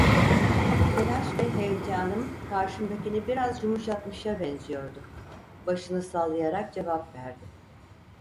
Telaş ve heyecanım karşımdakini biraz yumuşatmışa benziyordu, başını sallayarak cevap verdi: